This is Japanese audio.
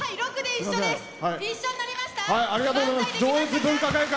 一緒になりましたか？